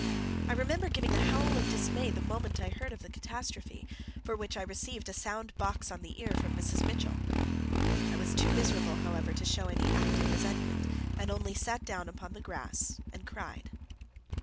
I remember giving a howl of dismay the moment I heard of the catastrophe, for which I received a sound box on the ear from Mrs. Mitchell. I was too miserable, however, to show any active resentment, and only sat down upon the grass and cried.